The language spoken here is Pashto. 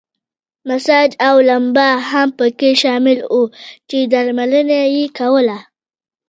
مساج او لمبا هم پکې شامل وو چې درملنه یې کوله.